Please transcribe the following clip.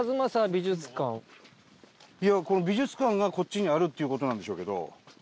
この美術館がこっちにあるっていう事なんでしょうけど。